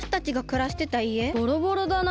ボロボロだな。